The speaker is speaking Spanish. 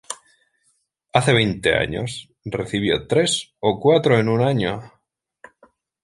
Hace veinte años, recibió tres o cuatro en un año.